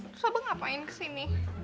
terus abah ngapain kesini